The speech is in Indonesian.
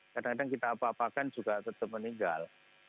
kadang kadang kita apa apakan juga tetap meninggal